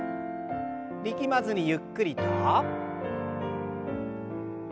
力まずにゆっくりと。